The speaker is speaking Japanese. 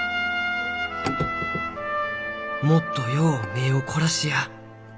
もっとよう目を凝らしや。